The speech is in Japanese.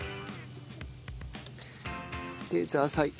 でザーサイ。